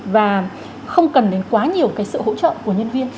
và không cần đến quá nhiều cái sự hỗ trợ của nhân viên